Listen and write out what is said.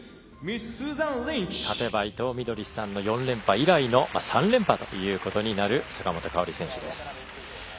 勝てば伊藤みどりさんの４連覇以来の３連覇ということになる坂本花織選手です。